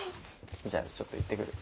じゃあちょっと行ってくる。